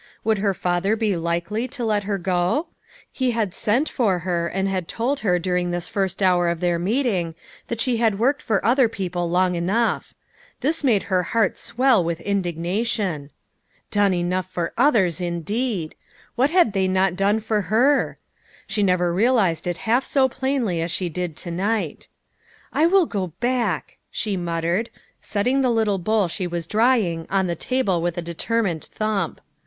Would her father be likely to let her go? He had sent for her, and had told her during this first hour of their meeting, that she had worked for other people long enough. This made her heart swell with indignation. Done enough for others, indeed ! What had XEW FRIENDS. 65 they not done for her? She never realized it half so plainly as she did to night. " I will go back !" she muttered, setting the little bowl she was drying on the table with a determined thump.